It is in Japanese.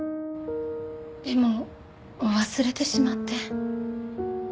でも忘れてしまって。